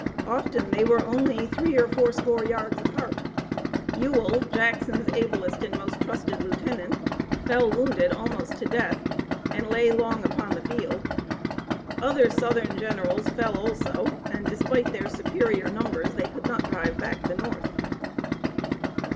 Often they were only three or four score yards apart. Ewell, Jackson's ablest and most trusted lieutenant, fell wounded almost to death, and lay long upon the field. Other Southern generals fell also, and despite their superior numbers they could not drive back the North.